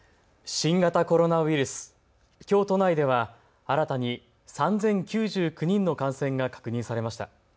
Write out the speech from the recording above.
新型コロナウイルス、きょう都内では新たに３０９９人の感染が確認されました。